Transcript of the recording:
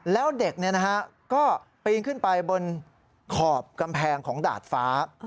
แล้วเด็กก็ปีนขึ้นไปบนขอบกำแพงของดาดฟ้า